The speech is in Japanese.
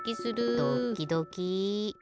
ドッキドキ。